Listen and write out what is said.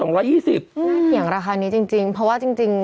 เถียงราคานี้จริงเพราะว่าจริง